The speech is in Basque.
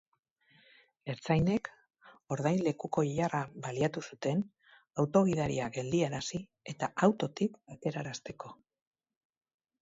Ertzainek ordainlekuko ilara baliatu zuten auto gidaria geldiarazi eta autotik aterarazteko.